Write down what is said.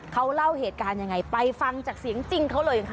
เขาเล่าเหตุการณ์ยังไงไปฟังจากเสียงจริงเขาเลยค่ะ